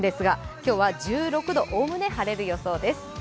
今日は１６度、おおむね晴れる予想です。